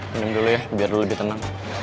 minum dulu ya biar lebih tenang